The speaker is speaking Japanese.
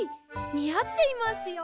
にあっていますよ。